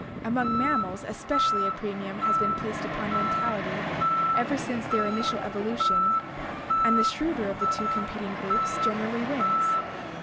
Among mammals especially a premium has been placed upon mentality ever since their initial evolution, and the shrewder of two competing groups generally wins.